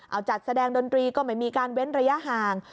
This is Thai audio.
เอาจัดแสดงดนตรีก็ไม่มีการเว้นระยะห่าง